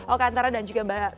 oke antara dan juga mbak sabrina